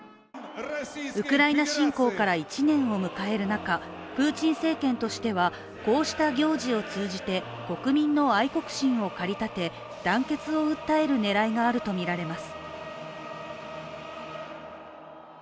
ウクライナ侵攻から１年を迎える中プーチン政権としてはこうした行事を通じて国民の愛国心を駆り立て団結を訴える狙いがあるとみられます。